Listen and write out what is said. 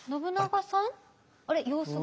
あれ様子が。